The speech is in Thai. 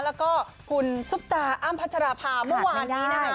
แล้วก็คุณซุปตาอ้ำพัชราภาเมื่อวานนี้นะคะ